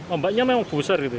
ombaknya memang booster gitu ya